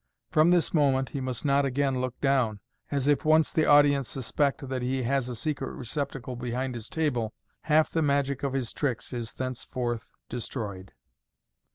From this moment he must not again look down, as if once the audience suspect that he has a secret receptacle behind his table, half the magic of his tricks is thenceforth destroyed.